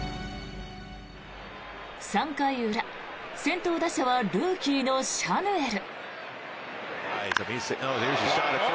３回裏、先頭打者はルーキーのシャヌエル。